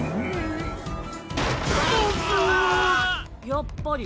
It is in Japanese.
やっぱり。